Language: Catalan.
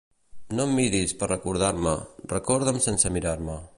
No em miris per recordar-me; recorda'm sense mirar-me.